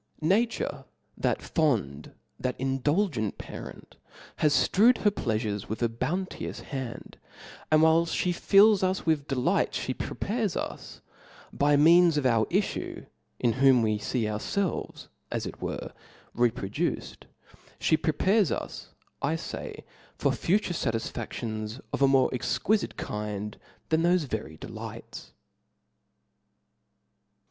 Na i Chap.' 7. ^^^^y that fond, that indulgent parent, has ftrewed her pleafures with ^a bounteous hand, and while fhe fills us with delights, (he prepares us by means of our iflue, in whom we fee ourfelves, as it were, reproduced, (he prepares us, I fay, for future far tisfaftions qf a niQre exquifite kind than thofe very delights.